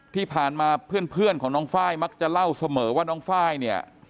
ที่ผ่านมาเพื่อนของน้องไฟล์มักจะเล่าเสมอว่าน้องไฟล์เนี่ย